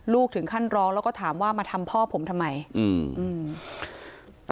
ถึงขั้นร้องแล้วก็ถามว่ามาทำพ่อผมทำไมอืมอืม